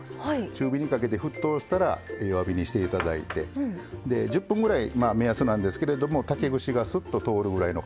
中火にかけて沸騰したら弱火にして頂いてで１０分ぐらい目安なんですけれども竹串がスッと通るぐらいのかたさ。